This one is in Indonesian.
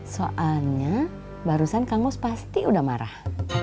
soalnya barusan kang mus pasti udah marah